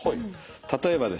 例えばですね